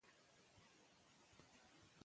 ماشومانو په پوره خوشالۍ سره خپلې لوبې ترسره کولې.